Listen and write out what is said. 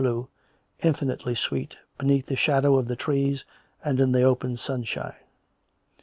97 blue, infinitely sweet, beneath the shadow of the trees and in the open sunshine.